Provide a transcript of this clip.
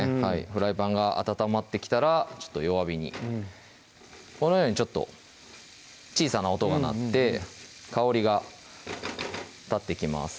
フライパンが温まってきたら弱火にこのようにちょっと小さな音が鳴って香りが立ってきます